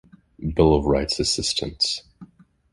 Bill of Rights assistance.